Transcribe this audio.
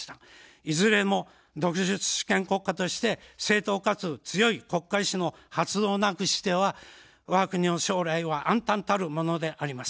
いずれも独立主権国家として正当かつ強い国家意志の発動なくしてはわが国の将来は暗たんたるものであります。